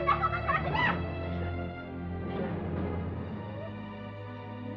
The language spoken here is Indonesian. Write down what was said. gak bakal meleset lagi